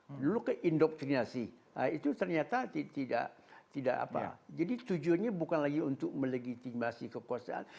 perlu keindoktrinasi itu ternyata tidak tidak apa jadi tujuannya bukan lagi untuk melegitimasi kekuasaan